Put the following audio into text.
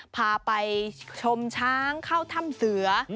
พาไปชมช้างเข้าถ้ำเสือ